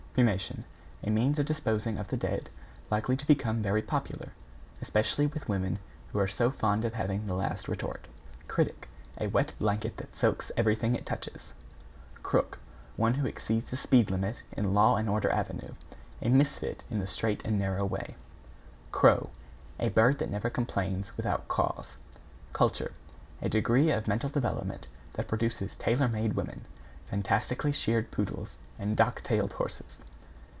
=CREMATION= A means of disposing of the dead likely to become very popular, especially with women who are so fond of having the last retort. =CRITIC= A wet blanket that soaks everything it touches. =CROOK= One who exceeds the speed limit in Law & Order Ave. A Misfit in the Straight and Narrow Way. =CROW= A bird that never complains without caws. =CULTURE= A degree of mental development that produces tailor made women, fantastically sheared poodles and dock tailed horses.